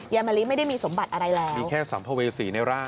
มะลิไม่ได้มีสมบัติอะไรแล้วมีแค่สัมภเวษีในร่าง